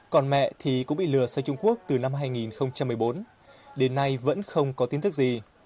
còn mẹ thì cũng bị lừa sang trung quốc từ năm hai nghìn một mươi bốn đến nay vẫn không có kiến thức gì